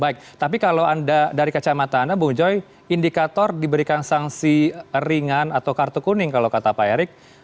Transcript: baik tapi kalau anda dari kacamata anda bung joy indikator diberikan sanksi ringan atau kartu kuning kalau kata pak erick